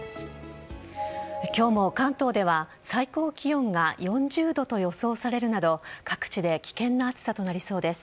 今日も関東では最高気温が４０度と予想されるなど各地で危険な暑さとなりそうです。